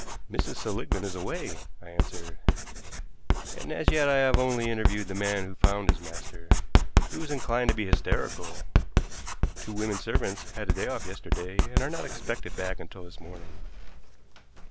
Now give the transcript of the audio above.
"Mrs. Seligmann is away," I answered, "and as yet I have only interviewed the man who found his master. He was inclined to be hysterical. Two women servants had a day off yesterday, and are not expected back until this morning."